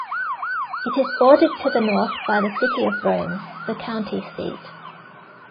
It is bordered to the north by the city of Rome, the county seat.